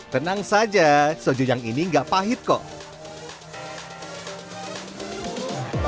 tenang saja soju yang ini nggak pahit kok